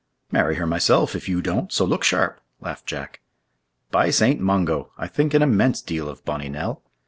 "Marry her myself, if you don't; so look sharp," laughed Jack. "By Saint Mungo! I think an immense deal of bonny Nell!